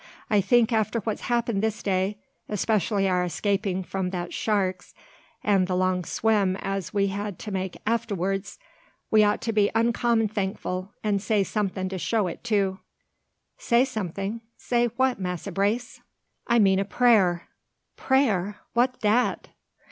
I think after what's happened this day, especially our escaping from that sharks an' the long swim as we had to make after'ards, we ought to be uncommon thankful, and say somethin' to show it, too." "Say something! say what, Massa Brace?" "I mean a prayer." "Prayer! wha's dat?"